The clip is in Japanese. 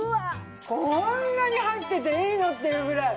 こんなに入ってていいの？っていうぐらい。